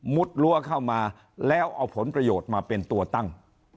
รั้วเข้ามาแล้วเอาผลประโยชน์มาเป็นตัวตั้ง